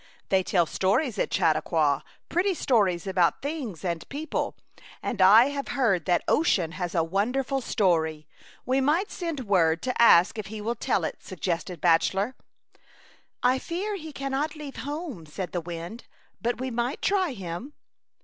^* They tell stories at Chautauqua — pretty stories about things and peo ple ; and I have heard that Ocean has a wonderful story. We might send word to ask if he will tell it," sug gested Bachelor. '' I fear he cannot leave home," said the wind, "but we might try him."